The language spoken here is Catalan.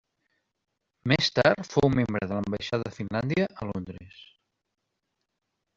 Més tard fou membre de l'ambaixada de Finlàndia a Londres.